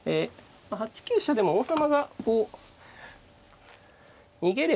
８九飛車でも王様がこう逃げれば。